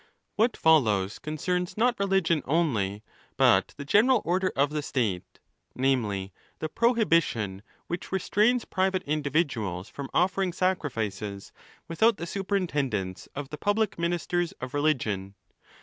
What follows concerns not religion only, but the general order of the state; namely, the prohibition which restrains private individuals from offering sacrifices without the super intendence of the public ministers of religion.